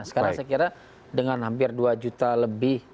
sekarang saya kira dengan hampir dua juta lebih